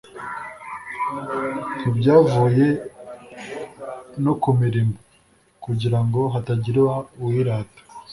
ntibyavuye no ku mirimo, kugira ngo hatagira uwirata.